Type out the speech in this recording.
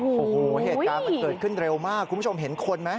โอ้โหเหตุการณ์มันเกิดขึ้นเร็วมากคุณผู้ชมเห็นคนไหม